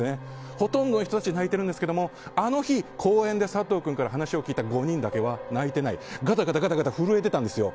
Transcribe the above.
ほとんどの人たちは泣いてるんですけどもあの日、公園で佐藤君から話を聞いた５人だけは泣いてないガタガタ震えてたんですよ。